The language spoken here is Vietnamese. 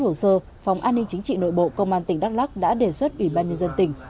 khi hoàn tất hồ sơ phòng an ninh chính trị nội bộ công an tỉnh đắk lắc đã đề xuất ủy ban nhân dân tỉnh